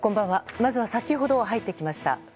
まずは、先ほど入ってきました。